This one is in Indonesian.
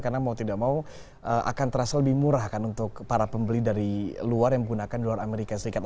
karena mau tidak mau akan terasa lebih murah kan untuk para pembeli dari luar yang menggunakan dolar amerika serikat